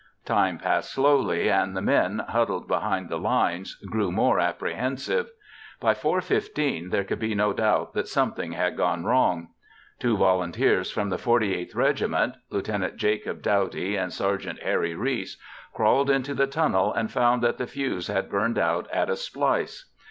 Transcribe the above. Time passed slowly and the men, huddled behind the lines, grew more apprehensive. By 4:15 there could be no doubt that something had gone wrong. Two volunteers from the 48th Regiment (Lt. Jacob Douty and Sgt. Harry Reese) crawled into the tunnel and found that the fuse had burned out at a splice.